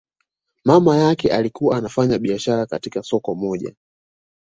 Mama yake alikuwa anafanya biashara katika soko moja